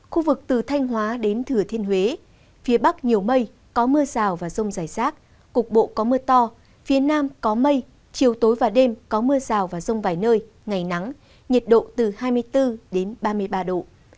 khu vực từ thanh hóa đến thừa thiên huế phía bắc nhiều mây có mưa rào và rông rải rác cục bộ có mưa to phía nam có mây chiều tối và đêm có mưa rào và rông vài nơi ngày nắng nhiệt độ từ hai mươi bốn đến ba mươi ba độ